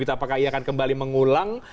apakah ia akan kembali mengulang